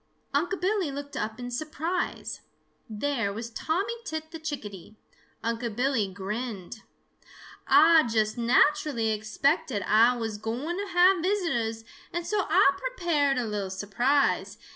Unc' Billy looked up in surprise. There was Tommy Tit the Chickadee. Unc' Billy grinned. "Ah just naturally expected Ah was gwine to have visitors, and so Ah prepared a little surprise.